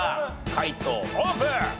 解答オープン！